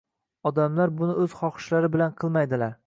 Odamlar buni o‘z xohishlari bilan qilmaydilar.